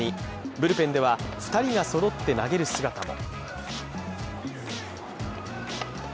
ブルペンでは、２人がそろって投げる姿も。